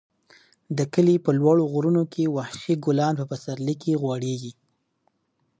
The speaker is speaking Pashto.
د کلي په لوړو غرونو کې وحشي ګلان په پسرلي کې غوړېږي.